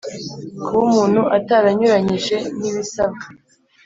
kuba umuntu ataranyuranyije n ibisabwa